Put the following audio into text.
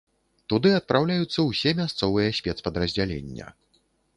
Туды адпраўляюцца ўсе мясцовыя спецпадраздзялення.